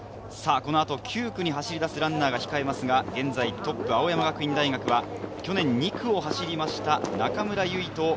この後、９区に走り出すランナーが控えますが、現在トップ・青山学院大学は去年２区を走った中村唯翔。